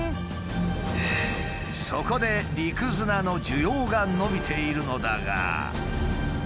そこで陸砂の需要が伸びているのだが。